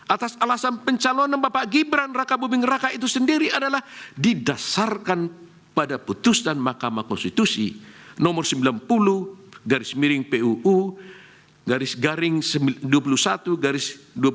atas alasan pencalonan bapak gibran raka buming raka itu sendiri adalah didasarkan pada putusan mahkamah konstitusi nomor sembilan puluh garis miring puu garis garing dua puluh satu garis dua puluh satu